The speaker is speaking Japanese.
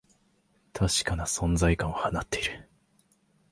確かな存在感を放っている